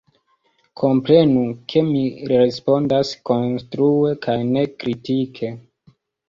Komprenu, ke mi respondas konstrue kaj ne kritike.